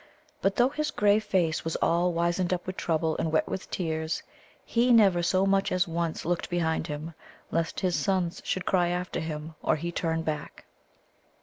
But though his grey face was all wizened up with trouble and wet with tears, he never so much as once looked behind him, lest his sons should cry after him, or he turn back.